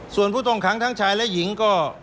ส่วนผู้ต้องขังทั้งชายและหญิงก็